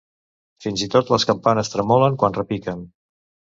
Fins i tot les campanes tremolen quan repiquen.